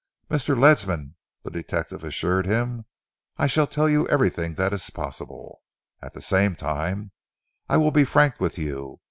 "Mr. Ledsam," the detective assured him, "I shall tell you everything that is possible. At the same time, I will be frank with you.